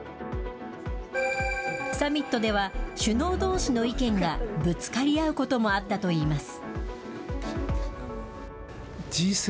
サミットでは、首脳どうしの意見がぶつかり合うこともあったといいます。